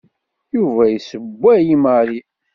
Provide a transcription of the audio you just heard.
Yuba yessewway i Mary.